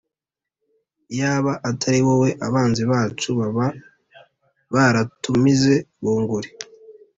Iyaba atariwowe abanzi bacu baba baratumize bunguri